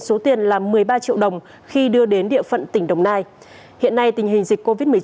số tiền là một mươi ba triệu đồng khi đưa đến địa phận tỉnh đồng nai hiện nay tình hình dịch covid một mươi chín